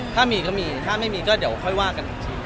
ถ้ามีก็มีถ้าไม่มีก็เดี๋ยวค่อยว่ากันอีกที